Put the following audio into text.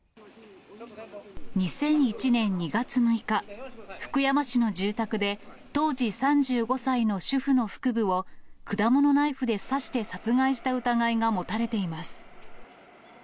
２００１年２月６日、福山市の住宅で、当時３５歳の主婦の腹部を果物ナイフで刺して殺害した疑いが持たれています。